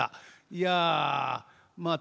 いやまあ